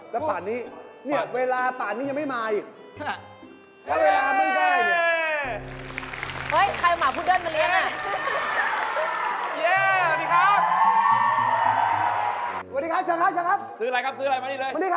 แล้วป่านนี้เนี่ยเวลาป่านนี้ยังไม่มาอีก